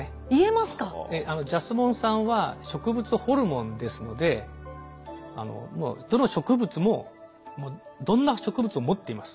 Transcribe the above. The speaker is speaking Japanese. ジャスモン酸は植物ホルモンですのでどの植物もどんな植物も持っています。